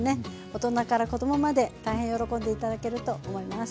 大人から子供まで大変喜んで頂けると思います。